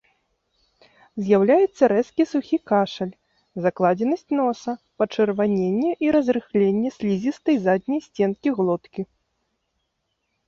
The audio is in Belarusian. З'яўляецца рэзкі сухі кашаль, закладзенасць носа, пачырваненне і разрыхленне слізістай задняй сценкі глоткі.